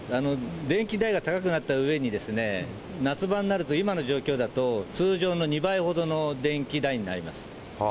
電気代が高くなったうえに、夏場になると今の状況だと、通常の２倍ほどの電気代になります。